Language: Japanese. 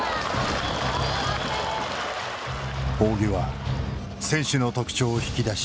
仰木は選手の特徴を引き出し